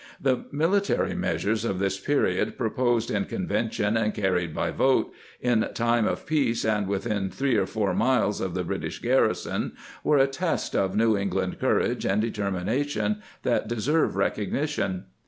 The military measures of this period, proposed in convention and carried by vote, in time of peace and within three or four miles of the British garrison, were a test of New England courage and determination that deserve recogni tion.